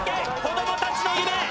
子どもたちの夢